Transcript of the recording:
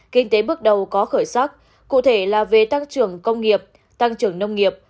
kinh tế bước đầu có khởi sắc cụ thể là về tăng trưởng công nghiệp tăng trưởng nông nghiệp